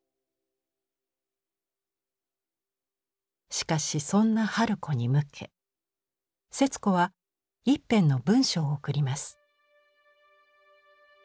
しかしそんな春子に向け節子は一編の文章を贈ります。